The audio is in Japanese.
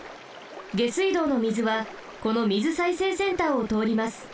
下水道の水はこの水再生センターをとおります。